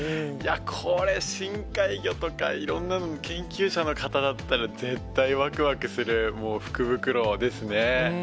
これ、深海魚とか、いろんなのの研究者の方だったら、絶対わくわくする、もう福袋です